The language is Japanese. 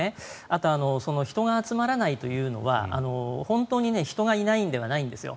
あと、人が集まらないというのは本当に人がいないんではないんですよ。